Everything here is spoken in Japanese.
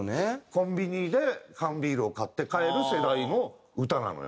コンビニで缶ビールを買って帰る世代の歌なのよ。